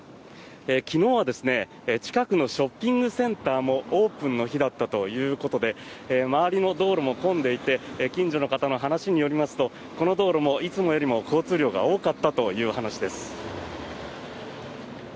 昨日は近くのショッピングセンターもオープンの日だったということで周りの道路も混んでいて近所の方の話によりますとこの道路はいつもよりも交通量が多かったという話です。